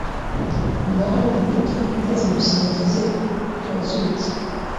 Ngaho nimuruhuke, maaze musingize Uwazutse.